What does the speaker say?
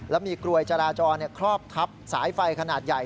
แล้วมีกลวยจราจรครอบทับสายไฟขนาดใหญ่